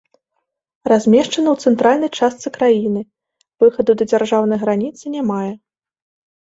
Размешчана ў цэнтральнай частцы краіны, выхаду да дзяржаўнай граніцы не мае.